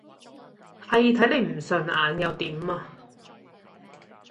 係睇你唔順眼又點呀！